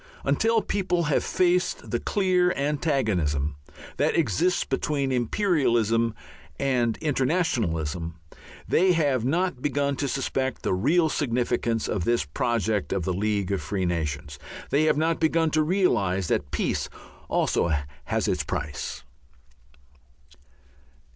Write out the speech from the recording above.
Until people have faced the clear antagonism that exists between imperialism and internationalism, they have not begun to suspect the real significance of this project of the League of Free Nations. They have not begun to realize that peace also has its price.